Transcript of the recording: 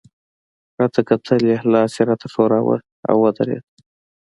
راته کتل يې، لاس يې راته ښوراوه، او ودرېد.